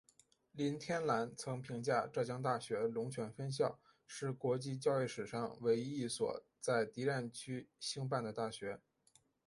林天兰曾评价浙江大学龙泉分校是国际教育史上唯一一所在敌战区兴办的大学。